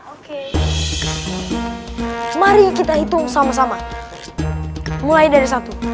oke mari kita hitung sama sama mulai dari satu